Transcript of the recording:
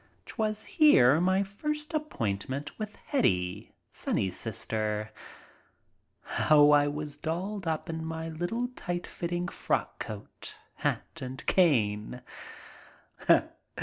'Twas here, my first appointment with Hetty (Sonny's sister). How I was dolled up in niy little, tight fitting frock coat, hat, and cane!